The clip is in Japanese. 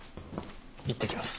いってきます。